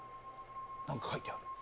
何か貼ってある。